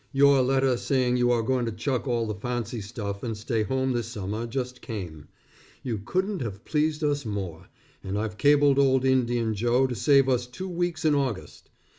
Your letter saying you are going to chuck all the fancy stuff and stay home this summer just came. You couldn't have pleased us more, and I've cabled old Indian Joe to save us two weeks in August.